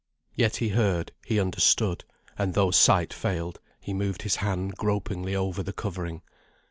Yet he heard, he understood, and though sight failed, he moved his hand gropingly over the covering.